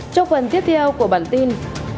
trong phần tiếp theo của bản tin